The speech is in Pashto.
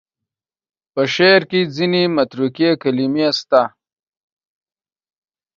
په شعر کې ځینې متروکې کلمې شته.